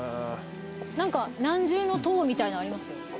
何か何十の塔みたいのありますよ。